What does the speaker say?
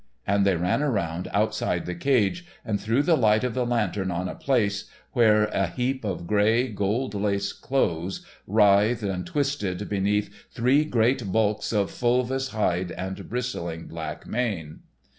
and they ran around outside the cage and threw the light of the lantern on a place where a heap of grey, gold laced clothes writhed and twisted beneath three great bulks of fulvous hide and bristling black mane.